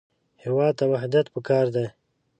هېواد ته وحدت پکار دی